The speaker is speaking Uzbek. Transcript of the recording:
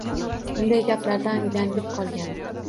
Bunday gaplardan gangib qolgan